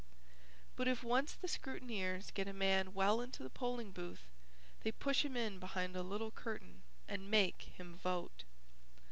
But if once the scrutineers get a man well into the polling booth, they push him in behind a little curtain and make him vote.